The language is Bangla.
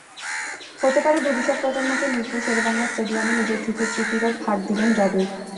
হতে পারে ভবিষ্যৎ প্রজন্মকে মিরপুর শেরেবাংলা স্টেডিয়ামে নিজের সুখস্মৃতিরও ভাগ দিলেন দ্রাবিড়।